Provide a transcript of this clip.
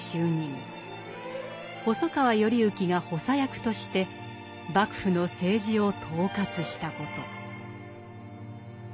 細川頼之が補佐役として幕府の政治を統轄したこと。